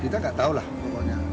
kita nggak tahu lah pokoknya